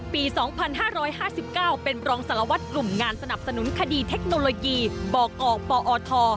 ปี๒๕๕๙เป็นรองสารวัตรกลุ่มงานสนับสนุนคดีเทคโนโลยีบอกออกปอท